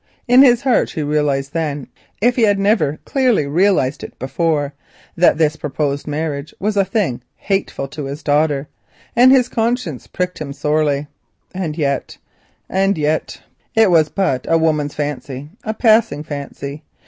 In his heart he realised then, if he had never clearly realised it before, that this proposed marriage was a thing hateful to his daughter, and his conscience pricked him sorely. And yet—and yet—it was but a woman's fancy—a passing fancy.